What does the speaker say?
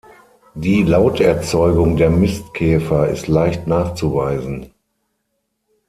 Die Lauterzeugung der Mistkäfer ist leicht nachzuweisen.